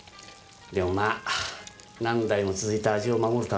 でもま何代も続いた味を守るためにはね。